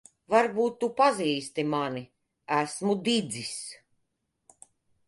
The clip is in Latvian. Varbūt tu pazīsti mani. Esmu Didzis.